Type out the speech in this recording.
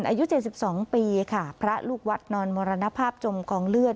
อายุเจ็ดสิบสองปีค่ะพระลูกวัดนอนมรณภาพจมกองเลือด